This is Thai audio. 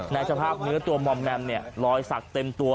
สภาพเนื้อตัวมอมแมมเนี่ยรอยสักเต็มตัว